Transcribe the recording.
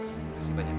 terima kasih banyak